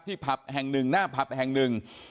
ผับแห่งหนึ่งหน้าผับแห่งหนึ่ง